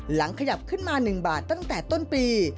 ขยับขึ้นมา๑บาทตั้งแต่ต้นปี